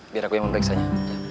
biar aku yang memeriksanya